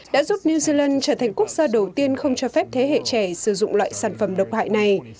đã giúp new zealand trở thành quốc gia đầu tiên không cho phép thế hệ trẻ sử dụng loại sản phẩm độc hại này